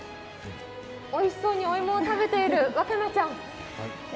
おいしそうにお芋を食べている和奏ちゃん。